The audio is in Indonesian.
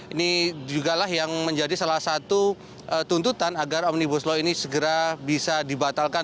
ini jugalah yang menjadi salah satu tuntutan agar omnibus law ini segera bisa dibatalkan